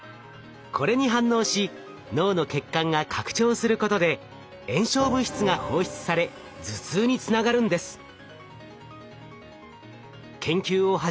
これに反応し脳の血管が拡張することで炎症物質が放出され頭痛につながるんです。